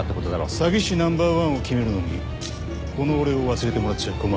詐欺師ナンバー１を決めるのにこの俺を忘れてもらっちゃ困るぜ。